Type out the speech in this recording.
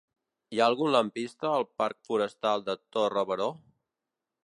Hi ha algun lampista al parc Forestal de Torre Baró?